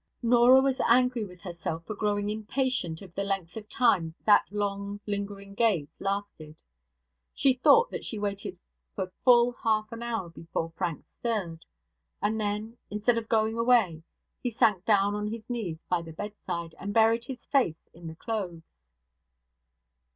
Norah was angry with herself for growing impatient of the length of time that long lingering gaze lasted. She thought that she waited for full half an hour before Frank stirred. And then instead of going away he sank down on his knees by the bedside, and buried his face in the clothes.